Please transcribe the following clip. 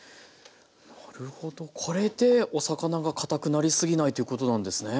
なるほどこれでお魚が堅くなりすぎないということなんですね。